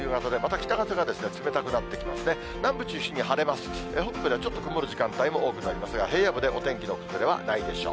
北部でちょっと曇る時間帯も多くなりますが、平野部でお天気の崩れはないでしょう。